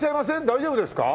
大丈夫ですか？